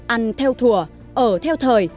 ăn theo thùa ở theo thời